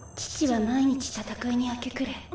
父は毎日戦いに明け暮れ。